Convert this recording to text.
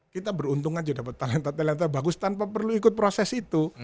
kita beruntung aja dapat talenta talenta bagus tanpa perlu ikut proses itu